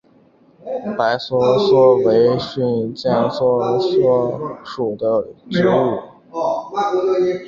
白梭梭为苋科梭梭属的植物。